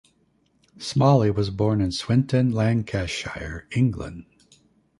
Smalley was born in Swinton, Lancashire, England.